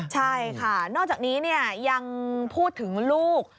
ใช่ค่ะนอกจากนี้ยังพูดถึงลูก